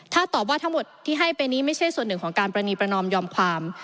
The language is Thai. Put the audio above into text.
ถ้าตอบว่าทั้งหมดที่ให้ไปนี้ไม่ใช่ส่วนหนึ่งของการปรณีประนอมยอมความ